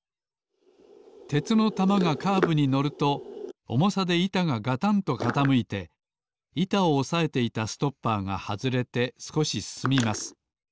鉄の玉がカーブにのるとおもさでいたががたんとかたむいていたをおさえていたストッパーがはずれてすこしすすみます。